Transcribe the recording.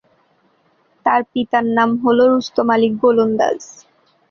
তার পিতার নাম হল রুস্তম আলী গোলন্দাজ।